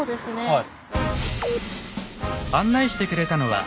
はい。